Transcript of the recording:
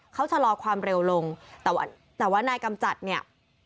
เขาชะลอความเร็วลงแต่ว่าแต่ว่านายกำจัดเนี่ย